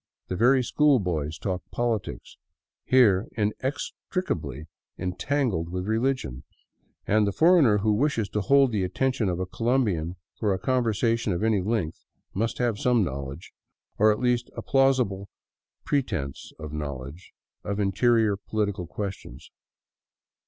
The very schoolboys talk politics — here in extricably entangled with religion — and the foreigner who wishes to hold the attention of a Colombian for a conversation of any length must have some knowledge, or at least a plausible pretense of knowl edge, of interior political questions.